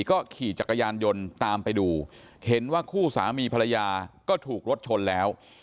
ก็ขี่จักรยานยนต์ตามไปดูเห็นว่าคู่สามีภรรยาก็ถูกรถชนแล้ว